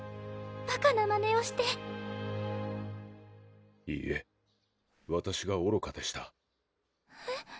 バカなまねをしていいえわたしがおろかでしたえっ？